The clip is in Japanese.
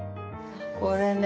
これね